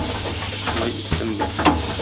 Шулай иттем дә.